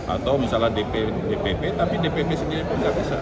atau misalnya dpp tapi dpp sendiri pun nggak bisa